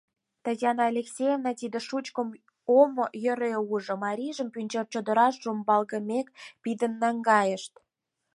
Татьяна Алексеевна тиде шучкым омо йӧре ужо: марийжым Пӱнчер чодыраш рӱмбалгымек пидын наҥгайышт.